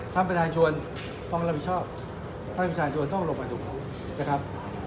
ความประชายชวนความรับผิดชอบความประชายชวนต้องหลบมาถูกครับ